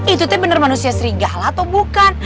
itu benar manusia serigala atau bukan